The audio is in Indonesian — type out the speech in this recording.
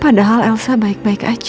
padahal elsa baik baik aja